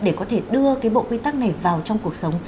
để có thể đưa cái bộ quy tắc này vào trong cuộc sống